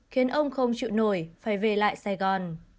khiến ông không chịu nổi phải về lại sài gòn